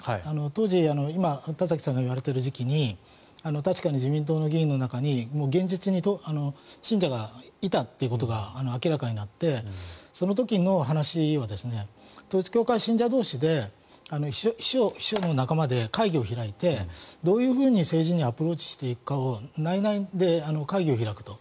当時、今、田崎さんが言われている時期に確かに自民党の議員の中に現実に信者がいたということが明らかになって、その時の話は統一教会信者同士で秘書の仲間で会議を開いてどう政治にアプローチしていくかを内々で会議を開くと。